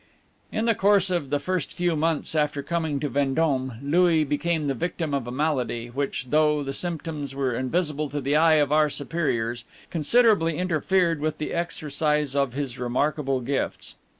In the course of the first few months after coming to Vendome, Louis became the victim of a malady which, though the symptoms were invisible to the eye of our superiors, considerably interfered with the exercise of his remarkable gifts.